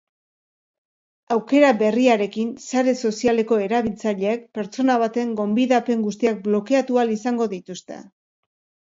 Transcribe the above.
Aukera berriarekin sare sozialeko erabiltzaileek pertsona baten gonbidapen guztiak blokeatu ahal izango dituzte.